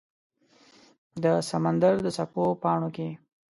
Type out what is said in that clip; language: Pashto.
د سمندردڅپو پاڼو کې